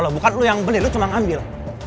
kalau bukan lo yang beli lo cuma ngambil